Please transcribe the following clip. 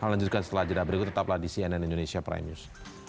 lanjutkan setelah jeda berikut tetaplah di cnn indonesia prime news